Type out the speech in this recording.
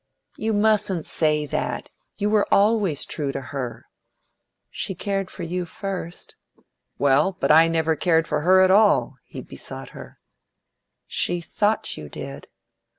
"You mustn't say that! You were always true to her." "She cared for you first." "Well, but I never cared for her at all!" he besought her. "She thought you did."